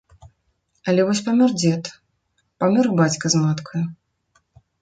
Але вось памёр дзед, памёр і бацька з маткаю.